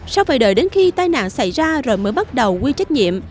sau phải đợi đến khi tai nạn xảy ra rồi mới bắt đầu quy trách nhiệm